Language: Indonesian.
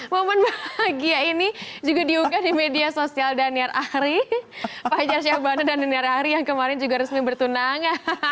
mohon bahagia ini juga diunggan di media sosial daniel ahri fajar syabana dan daniel ahri yang kemarin juga resmi bertunang